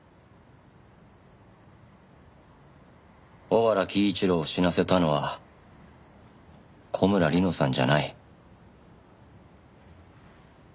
尾原喜一郎を死なせたのは小村理乃さんじゃない。